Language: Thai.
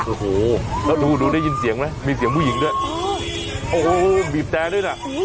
โอ้โหแล้วดูดูได้ยินเสียงไหมมีเสียงผู้หญิงด้วยโอ้โหบีบแต่ด้วยน่ะ